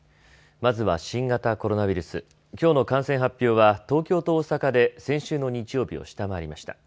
まずは新型コロナウイルス、きょうの感染発表は東京と大阪で先週の日曜日を下回りました。